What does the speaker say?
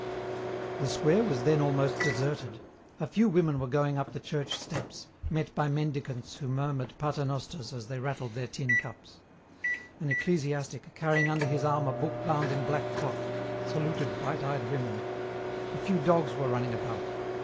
The square was then almost deserted. A few women were going up the church steps, met by mendicants who murmured paternosters as they rattled their tin cups. An ecclesiastic, carrying under his arm a book bound in black cloth, saluted white eyed women. A few dogs were running about.